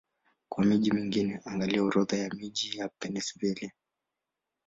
Kwa miji mingine, angalia Orodha ya miji ya Pennsylvania.